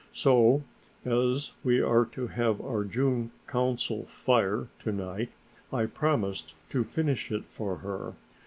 So, as we are to have our June Council Fire to night, I promised to finished it for her.